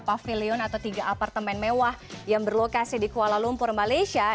pavilion atau tiga apartemen mewah yang berlokasi di kuala lumpur malaysia